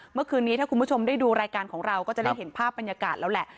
เมื่อคืนนี้ถ้าคุณผู้ชมได้ดูรายการของเราก็จะได้เห็นภาพบรรยากาศแล้วแหละ